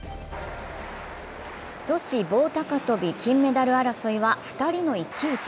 女子棒高跳び金メダル争いは２人の一騎打ち。